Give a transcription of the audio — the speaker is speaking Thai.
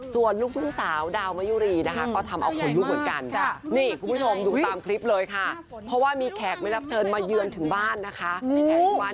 ส่วนลูกทุ่งสาวดาวมะยุรีนะคะก็ทำเอาขนลุกเหมือนกัน